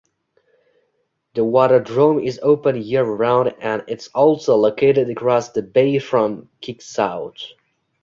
The waterdrome is open year-round and is also located across the bay from Kitsault.